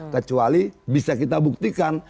kecuali bisa kita buktikan